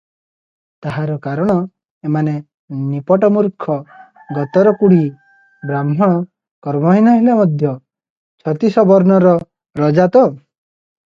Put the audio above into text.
ତାହାର କାରଣ, ଏମାନେ ନିପଟ ମୂର୍ଖ, ଗତରକୁଢ଼ି, ବ୍ରାହ୍ମଣ କର୍ମହୀନ ହେଲେ ମଧ୍ୟ ଛତିଶ ବର୍ଣ୍ଣର ରଜା ତ!